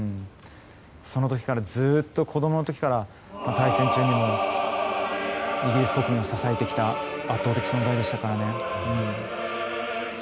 その時からずっと子供の時から大戦中もイギリス国民を支えてきた圧倒的存在でしたからね。